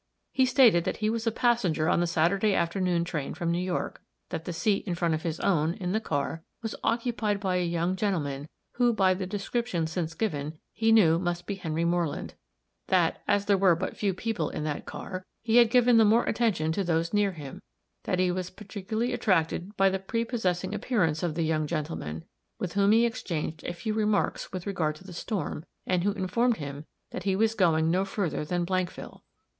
He stated that he was a passenger on the Saturday afternoon train from New York; that the seat in front of his own, in the car, was occupied by a young gentleman, who, by the description since given, he knew must be Henry Moreland; that, as there were but few people in that car, he had given the more attention to those near him; that he was particularly attracted by the prepossessing appearance of the young gentleman, with whom he exchanged a few remarks with regard to the storm, and who informed him that he was going no further than Blankville.